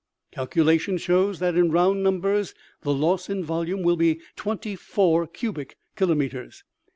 Calcu lation shows that, in round numbers, the loss in volume will be twenty four cubic kilometers.